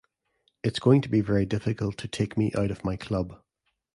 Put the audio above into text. It's going to be very difficult to take me out of my club ...